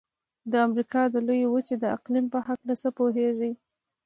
د امریکا د لویې وچې د اقلیم په هلکه څه پوهیږئ؟